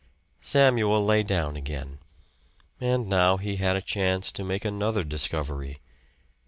Samuel lay down again; and now he had a chance to make another discovery.